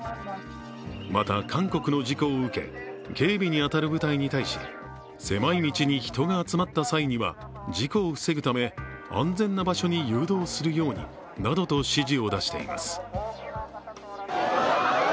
また、韓国の事故を受け、警備に当たる部隊に対し、狭い道に人が集まった際には事故を防ぐため安全な場所に誘導するようになどと指示を出しています。